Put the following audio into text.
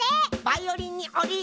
バイオリンにオリ！